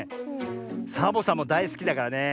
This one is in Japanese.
サボさんもだいすきだからね